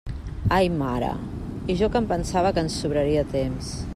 Ai mare, i jo que em pensava que ens sobraria temps.